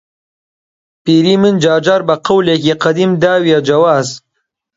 پیری من جار جار بە قەولێکی قەدیم داویە جەواز